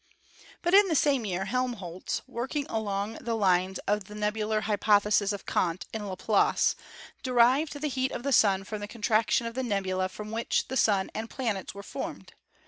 But in the same year Helmholtz, working along the lines of the nebular hypothesis of Kant and Laplace, de rived the heat of the Sun from the contraction of the nebula from which the Sun and planets were formed.